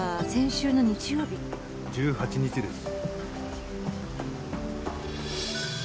１８日です。